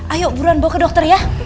ayo buron bawa ke dokter ya